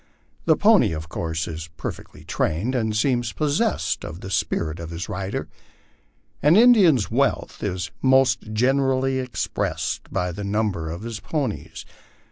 The pony, of course, is perfectly trained, and seems possessed of the spirit of his lider. An Indian's wealth is most generally expressed by the number of his ponies.